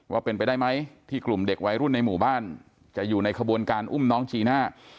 ว่าเป็นไปได้ไหมที่กลุ่มเด็กวัยรุ่นในหมู่บ้านจะอยู่ในขบวนการอุ้มน้องจีน่า